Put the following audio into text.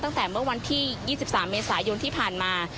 ตั้งแต่เมื่อวันที่๒๓เมษายนที่ผ่านมา